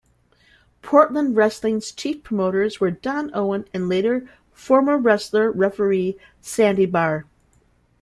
"Portland Wrestling"s chief promoters were Don Owen, and later, former wrestler-referee Sandy Barr.